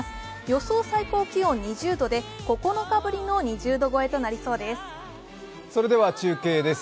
予想最高気温２０度で９日ぶりの２０度超えとなりそうです中継です。